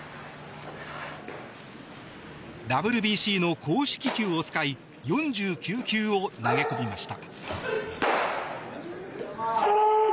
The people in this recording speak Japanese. ＷＢＣの公式球を使い４９球を投げ込みました。